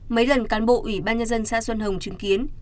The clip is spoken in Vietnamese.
mấy lần cán bộ ủy ban nhân dân xã xuân hồng chứng kiến